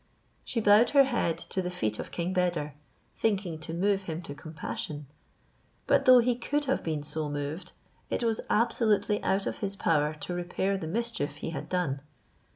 She bowed her head to the feet of King Beder, thinking to move him to compassion; but though he could have been so moved, it was absolutely out of his power to repair the mischief he had done.